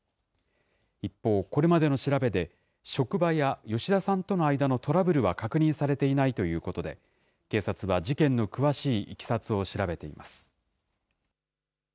一方、これまでの調べで職場や吉田さんとの間のトラブルは確認されていないということで、警察は事件の詳しいいきさつを調べています。